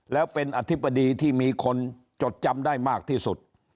แล้วเป็นอธิบดีที่มีคนจดจำได้มากที่สุด